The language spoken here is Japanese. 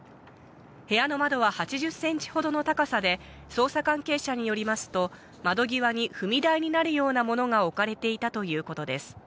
部屋の窓は８０センチほどの高さで、捜査関係者によりますと窓際に踏み台になるような物が置かれていたということです。